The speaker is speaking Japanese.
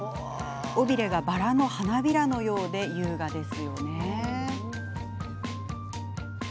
尾びれがバラの花びらのようで優雅ですよね。